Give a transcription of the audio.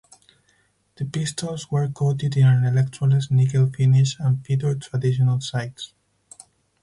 The pistols were coated in an electroless nickel finish and featured traditional sights.